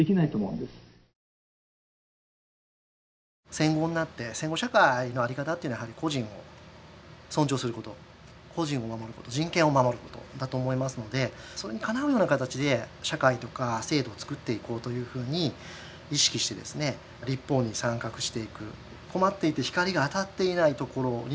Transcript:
戦後になって戦後社会のあり方っていうのは個人を尊重すること個人を守ること人権を守ることだと思いますのでそれにかなうような形で社会とか制度をつくっていこうというふうに意識して立法に参画していく。